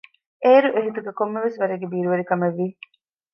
އޭރު އެހިތުގައި ކޮންމެވެސް ވަރެއްގެ ބިރުވެރިކަމެއްވި